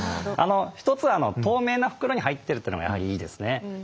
一つは透明な袋に入ってるというのがやはりいいですね。